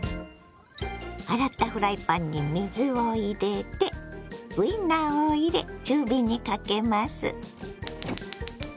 洗ったフライパンに水を入れてウインナーを入れ中火にかけます。